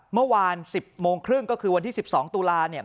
เมื่อวาน๑๐โมงครึ่งก็คือวันที่๑๒ตุลาเนี่ย